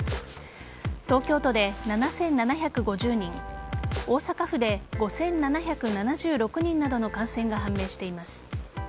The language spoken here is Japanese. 東京都で７７５０人大阪府で５７７６人などの感染が判明しています。